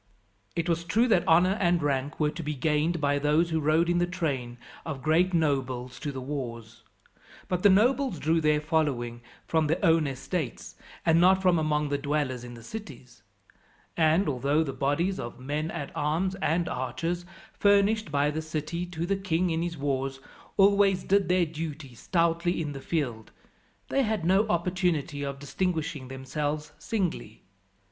It was true that honour and rank were to be gained, by those who rode in the train of great nobles to the wars, but the nobles drew their following from their own estates, and not from among the dwellers in the cities; and, although the bodies of men at arms and archers, furnished by the city to the king in his wars, always did their duty stoutly in the field, they had no opportunity of distinguishing themselves singly.